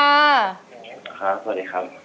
ครับสวัสดีครับ